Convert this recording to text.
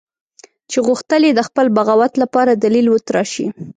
چې غوښتل یې د خپل بغاوت لپاره دلیل وتراشي.